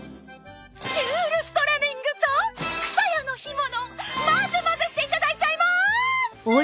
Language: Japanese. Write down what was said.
シュールストレミングとくさやの干物まぜまぜしていただいちゃいまーす！